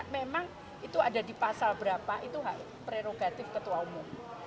memang itu ada di pasal berapa itu hak prerogatif ketua umum